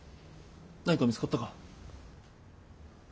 何か見つかったか？